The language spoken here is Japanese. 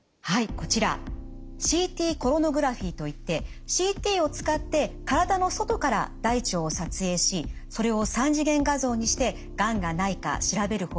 こちらＣＴコロノグラフィーといってＣＴを使って体の外から大腸を撮影しそれを３次元画像にしてがんがないか調べる方法です。